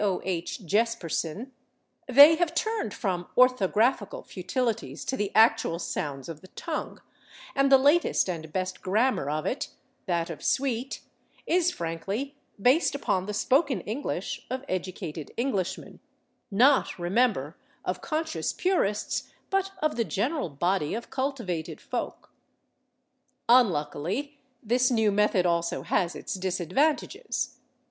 O. H. Jespersen, they have turned from orthographical futilities to the actual sounds of the tongue, and the latest and best grammar of it, that of Sweet, is frankly based upon the spoken English of educated Englishmen not, remember, of conscious purists, but of the general body of cultivated folk. Unluckily, this new method also has its disadvantages.